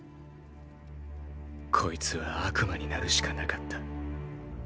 こいつは悪魔になるしかなかった。